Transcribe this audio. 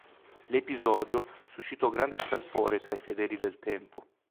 L'episodio suscitò grande scalpore tra i fedeli del tempo.